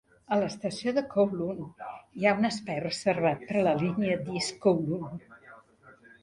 A l'estació de Kowloon hi ha un espai reservat per a la línia d'East Kowloon.